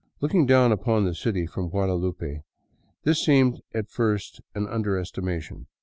Looking down upon the city from Guadalupe, this seems at first an underestimation.